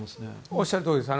おっしゃるとおりです。